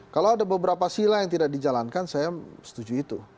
kalau ada beberapa sila yang tidak dijalankan saya setuju itu